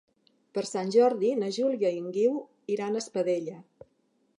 Per Sant Jordi na Júlia i en Guiu iran a Espadella.